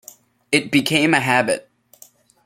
It became a habit.